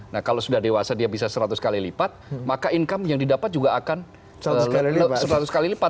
nah kalau sudah dewasa dia bisa seratus kali lipat maka income yang didapat juga akan seratus kali lipat